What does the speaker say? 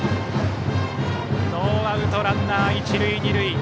ノーアウトランナー、一塁二塁。